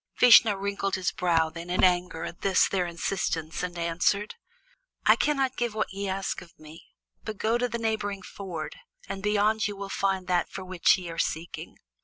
Vishnu wrinkled his brows then in anger at this their insistence, and answered: "I cannot give what ye ask of me, but go to the neighboring ford, and beyond ye will find that for which ye are seeking."